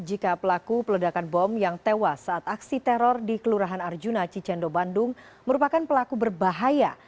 jika pelaku peledakan bom yang tewas saat aksi teror di kelurahan arjuna cicendo bandung merupakan pelaku berbahaya